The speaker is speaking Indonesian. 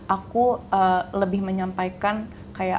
aku lebih menyampaikan kayak